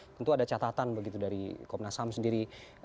tentu ada catatan begitu dari komnas ham sendiri